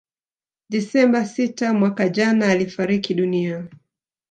Desemba sita mwaka jana alifariki dunia